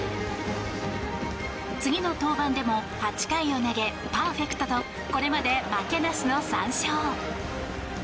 次の登板でも８回を投げ、パーフェクトとこれまで負けなしの３勝。